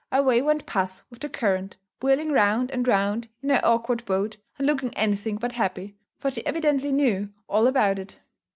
Away went puss with the current, whirling round and round in her awkward boat, and looking anything but happy, for she evidently knew all about it.